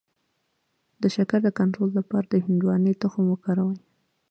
د شکر د کنټرول لپاره د هندواڼې تخم وکاروئ